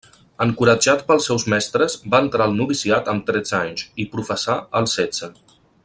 Encoratjat pels seus mestres va entrar al noviciat amb tretze anys, i professà als setze.